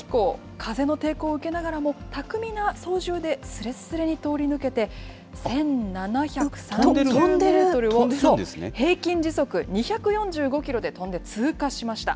風の抵抗を受けながらも巧みな操縦ですれすれに通り抜けて、１７３０メートルを平均時速２４５キロで飛んで通過しました。